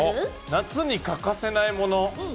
夏に欠かせないもの？